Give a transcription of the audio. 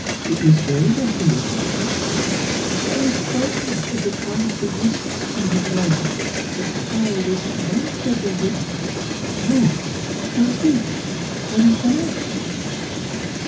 It was very naughty of me, I know, but I was frightened at the thought of the risks you have run, and how all this might have ended. Oh, mercy! what is that?"